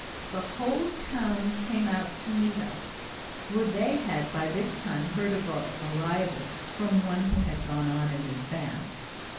The whole town came out to meet us, for they had by this time heard of our arrival from one who had gone on in advance.